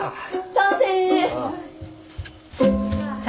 賛成！